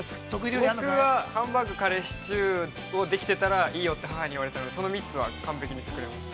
◆僕は、ハンバーグ、カレー、シチューをできてたらいいよって、母に言われたので、その３つは完璧に作れます。